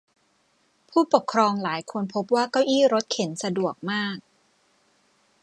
ผู้ปกครองหลายคนพบว่าเก้าอี้รถเข็นสะดวกมาก